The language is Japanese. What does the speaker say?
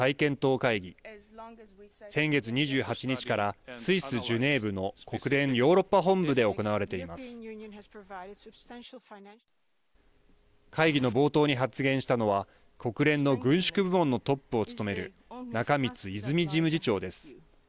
会議の冒頭に発言したのは国連の軍縮部門のトップを務める中満泉事務次長です。